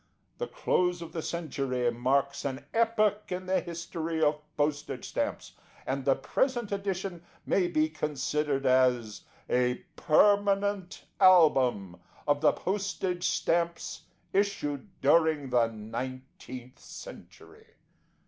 The close of the century marks an epoch in the history of postage stamps, and the present edition may be considered as A PERMANENT ALBUM Of the Postage Stamps issued during THE NINETEENTH CENTURY.